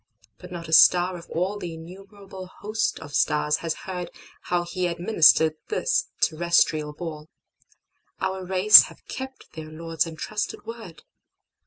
But not a star of allThe innumerable host of stars has heardHow He administered this terrestrial ball. Our race have kept their Lord's entrusted Word.